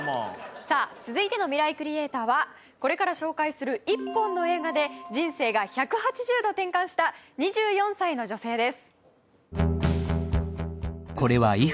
さあ続いてのミライクリエイターはこれから紹介する一本の映画で人生が１８０度転換した２４歳の女性です。